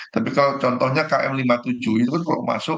tapi kalau contohnya km lima puluh tujuh itu kalau masuk